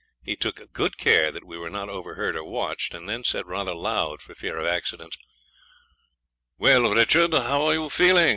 He took good care that we were not overheard or watched, and then said rather loud, for fear of accidents 'Well, Richard, how are you feeling?